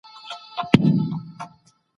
موږ باید حق په هر حالت کي ومنو.